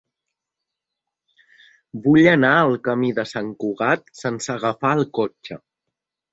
Vull anar al camí de Sant Cugat sense agafar el cotxe.